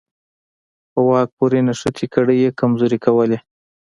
په واک پورې نښتې کړۍ یې کمزورې کولې.